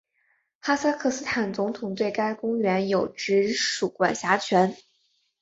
哈萨克斯坦总统对该公园有直属管辖权。